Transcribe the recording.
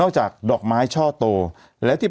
ในห้องฉุกเฉินก็คือหัวเราะที่คนไข้ถูกหมากัดมา